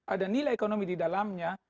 ada nilai ekonomi di dalamnya